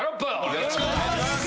よろしくお願いします。